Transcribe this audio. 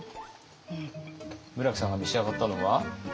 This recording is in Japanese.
村木さんが召し上がったのは？